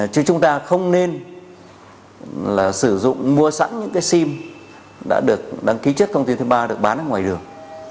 chứ chúng ta không nên là sử dụng mua sẵn những cái sim đã được đăng ký trước công ty thứ ba được bán ở ngoài đường